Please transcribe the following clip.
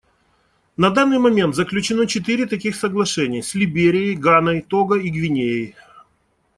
На данный момент заключено четыре таких соглашения — с Либерией, Ганой, Того и Гвинеей.